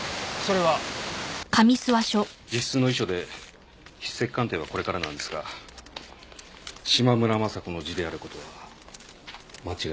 自筆の遺書で筆跡鑑定はこれからなんですが島村昌子の字である事は間違いなさそうです。